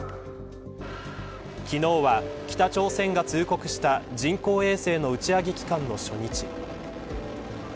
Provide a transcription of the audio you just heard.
昨日は北朝鮮が通告した人工衛星の打ち上げ期間の初日。